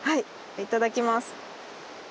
いただきます。